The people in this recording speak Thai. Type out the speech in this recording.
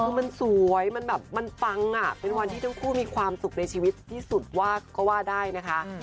คือมันสวยมันแบบมันปังอ่ะเป็นวันที่ทั้งคู่มีความสุขในชีวิตที่สุดว่าก็ว่าได้นะคะ